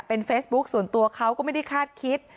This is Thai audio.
เป็นเฟซบุ๊คส่วนตัวเขาก็ไม่ได้คาดคิด